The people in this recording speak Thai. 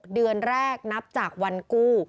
เดือนแรกนับจากวันกู้